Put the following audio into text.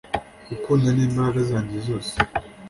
gukunda n'imbaraga zanjye zose.